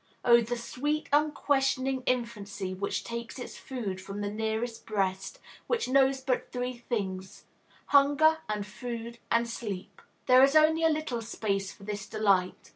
Oh, the sweet, unquestioning infancy which takes its food from the nearest breast; which knows but three things, hunger and food and sleep! There is only a little space for this delight.